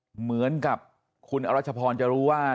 เหมือนกับคุณอรัชพรจะรู้ว่า